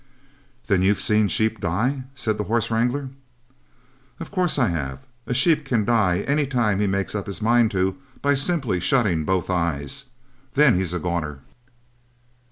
"Then you've seen sheep die," said the horse wrangler. "Of course I have; a sheep can die any time he makes up his mind to by simply shutting both eyes then he's a goner."